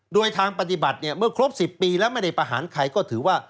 โดยทางปฏิบัติเนี่ยเมื่อครบ๑๐ปีแล้วไม่ได้ประหารใครก็ถือว่า